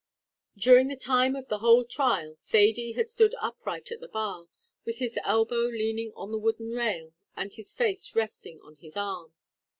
During the time of the whole trial, Thady had stood upright at the bar, with his elbow leaning on the wooden rail, and his face resting on his arm.